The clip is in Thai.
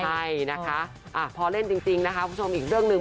ใช่นะคะพอเล่นจริงนะคะคุณผู้ชมอีกเรื่องหนึ่ง